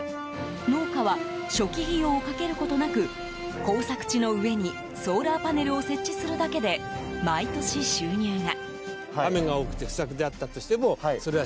農家は初期費用をかけることなく耕作地の上にソーラーパネルを設置するだけで毎年、収入が。